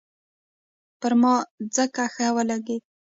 پر ما ځکه ښه ولګېد.